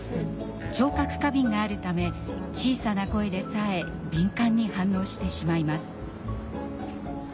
聴覚過敏があるため小さな声でさえ敏感に反応してしまいます。